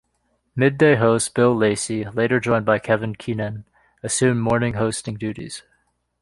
Midday host Bill Lacey, later joined by Kevin Keenan, assumed morning hosting duties.